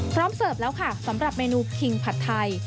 เสิร์ฟแล้วค่ะสำหรับเมนูคิงผัดไทย